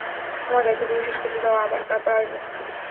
আমার দায়িত্বগুলো শেষ করতে দাও, তারপর আসবো।